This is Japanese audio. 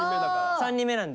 ３人目なんで。